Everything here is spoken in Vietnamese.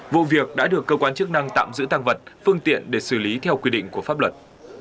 vụ việc đã được cơ quan chức năng tạm giữ tăng vật phương tiện để xử lý theo quy định của pháp luật